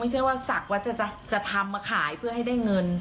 ไม่ใช่ว่าศักดิ์ว่าจะทำมาขายเพื่อให้ได้เงิน